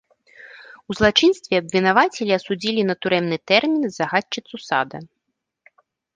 У злачынстве абвінавацілі і асудзілі на турэмны тэрмін загадчыцу сада.